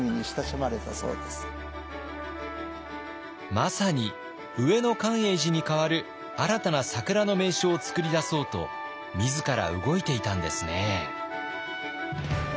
まさに上野寛永寺に代わる新たな桜の名所を作り出そうと自ら動いていたんですね。